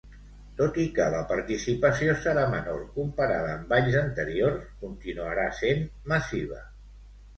Tot i que la participació serà menor comparada amb anys anteriors, continuarà sent massiva.